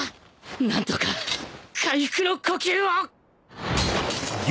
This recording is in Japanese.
何とか回復の呼吸を